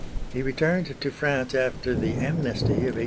He returned to France after the amnesty of 1840.